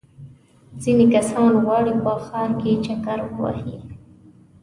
ځینې کسان غواړي په ښار کې چکر ووهي.